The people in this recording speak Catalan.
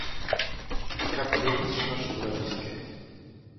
Cap d'ells no sobrevisqué.